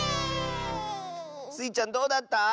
スイちゃんどうだった？